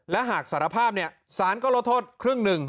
และหากสารภาพเนี่ยสารก็ลดโทษครึ่งหนึ่ง